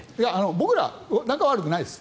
僕ら、仲悪くないです。